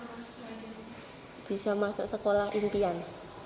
oh ya bisa masuk sekolah impian